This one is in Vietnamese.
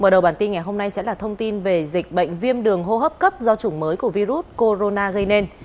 mở đầu bản tin ngày hôm nay sẽ là thông tin về dịch bệnh viêm đường hô hấp cấp do chủng mới của virus corona gây nên